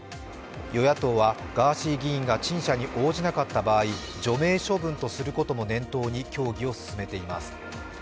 与野党はガーシー議員が陳謝に応じなかった場合除名処分とすることも念頭に協議を進めています。